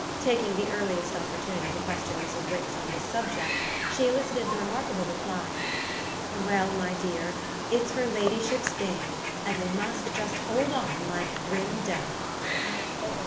Taking the earliest opportunity to question Mrs. Wix on this subject she elicited the remarkable reply: "Well, my dear, it's her ladyship's game, and we must just hold on like grim death."